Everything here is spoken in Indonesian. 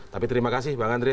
tapi terima kasih bang andre